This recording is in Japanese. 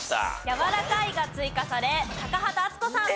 「やわらかい」が追加され高畑淳子さん。